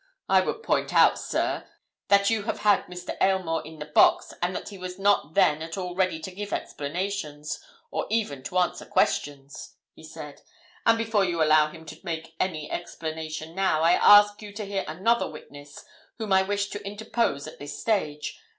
"I would point out, sir, that you have had Mr. Aylmore in the box, and that he was not then at all ready to give explanations, or even to answer questions," he said. "And before you allow him to make any explanation now, I ask you to hear another witness whom I wish to interpose at this stage.